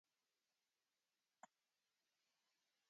In this case, a very sharp and finely-set blade is required.